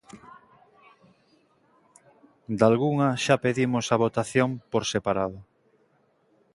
Dalgunha xa pedimos a votación por separado.